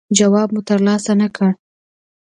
جواب مو ترلاسه نه کړ.